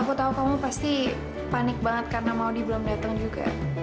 aku tahu kamu pasti panik banget karena maudi belum datang juga